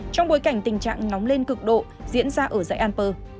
trong bối cảnh tình trạng nóng lên cực độ diễn ra ở dãy alper